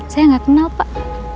saya gak kenal pak